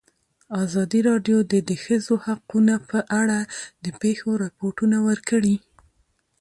ازادي راډیو د د ښځو حقونه په اړه د پېښو رپوټونه ورکړي.